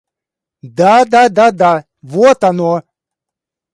Да-да-да-да... Вот оно!